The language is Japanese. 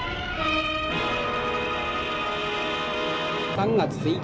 「３月１日